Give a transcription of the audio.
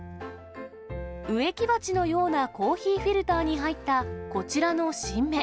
植木鉢のようなコーヒーフィルターに入ったこちらの新芽。